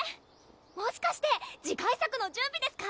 もしかして次回作の準備ですか？